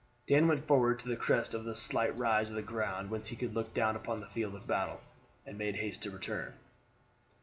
Dan went forward to the crest a of slight rise of the ground whence he could look down upon the field of battle, and made haste to return.